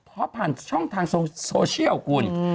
เพราะผ่านช่องทางโซเชียลคุณ